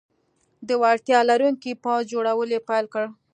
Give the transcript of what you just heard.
د وړتیا لرونکي پوځ جوړول یې پیل کړل.